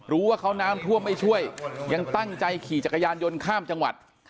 รู้ว่าเขาน้ำท่วมไม่ช่วยยังตั้งใจขี่จักรยานยนต์ข้ามจังหวัด